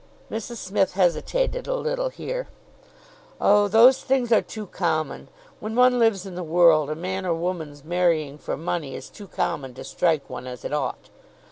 Mrs Smith hesitated a little here. "Oh! those things are too common. When one lives in the world, a man or woman's marrying for money is too common to strike one as it ought.